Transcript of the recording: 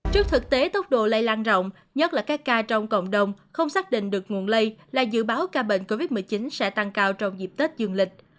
trước thực tế tốc độ lây lan rộng nhất là các ca trong cộng đồng không xác định được nguồn lây là dự báo ca bệnh covid một mươi chín sẽ tăng cao trong dịp tết dương lịch